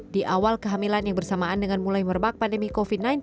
di awal kehamilan yang bersamaan dengan mulai merebak pandemi covid sembilan belas